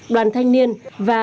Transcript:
đoàn thanh niên và